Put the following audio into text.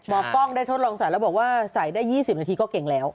กล้องได้ทดลองใส่แล้วบอกว่าใส่ได้๒๐นาทีก็เก่งแล้ว